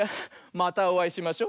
またおあいしましょ。